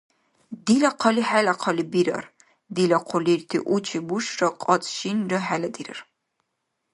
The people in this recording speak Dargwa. Дила хъали хӀела хъали бирар, дила хъулирти у-чебушра кьацӀ-шинра хӀела дирар…